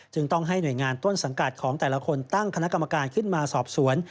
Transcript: ต้องให้หน่วยงานต้นสังกัดของแต่ละคนตั้งคณะกรรมการขึ้นมาสอบสวน